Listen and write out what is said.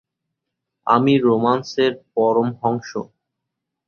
আমি রোম্যান্সের পরমহংস।